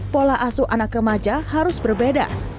pola asuh anak remaja harus berbeda